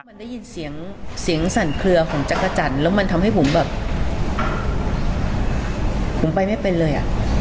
มันได้ยินเสียงสั่นเคลือของจักรจันทร์แล้วมันทำให้ผมไปไม่เป็นเลย